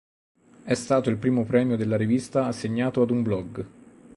È stato il primo premio della rivista assegnato ad un blog.